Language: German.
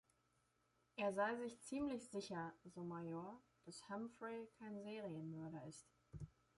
Er sei sich ziemlich sicher, so Major, „dass Humphrey kein Serienmörder ist“.